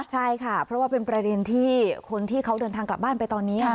ใช่ค่ะเพราะว่าเป็นประเด็นที่คนที่เขาเดินทางกลับบ้านไปตอนนี้